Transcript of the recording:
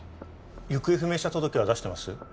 行方不明者届は出してます？